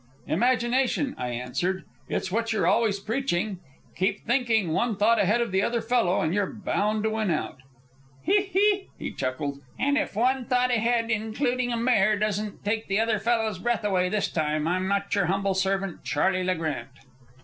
"Imagination," I answered. "It's what you're always preaching 'keep thinking one thought ahead of the other fellow, and you're bound to win out.'" "He! he!" he chuckled. "And if one thought ahead, including a mare, doesn't take the other fellow's breath away this time, I'm not your humble servant, Charley Le Grant."